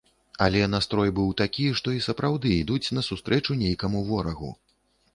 Але настрой быў такі, што і сапраўды ідуць насустрэчу нейкаму ворагу.